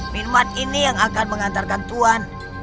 minmat ini yang akan mengantarkan tuhan